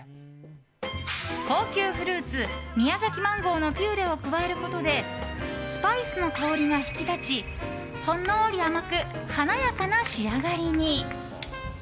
高級フルーツ、宮崎マンゴーのピューレを加えることでスパイスの香りが引き立ちほんのり甘く華やかな仕上がりに。